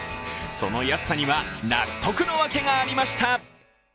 その安さには納得の訳がありました。